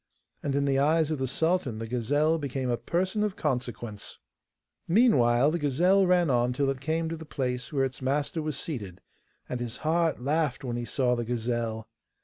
And in the eyes of the sultan the gazelle became a person of consequence. Meanwhile the gazelle ran on till it came to the place where its master was seated, and his heart laughed when he saw the gazelle.